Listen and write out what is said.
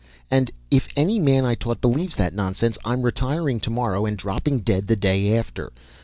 And, if any man I taught believes that nonsense, I'm retiring tomorrow and dropping dead the day after.